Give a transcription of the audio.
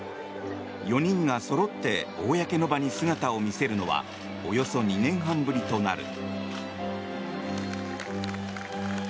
４人がそろって公の場に姿を見せるのはおよそ２年半ぶりとなる。